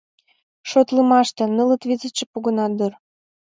Шотлымаште, нылыт-визытше погынат дыр.